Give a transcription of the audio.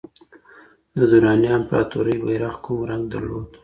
د دراني امپراتورۍ بیرغ کوم رنګ درلود؟